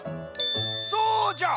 そうじゃ！